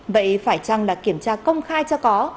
vậy phải chăng là kiểm tra công khai cho có